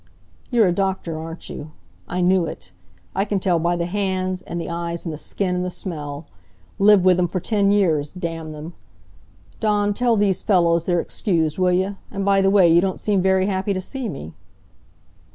"You're a doctor, aren't you? I knew it. I can tell by the hands, and the eyes, and the skin, and the smell. Lived with 'em for ten years, damn them! Dawn, tell these fellows they're excused, will you? And by the way, you don't seem very happy to see me?"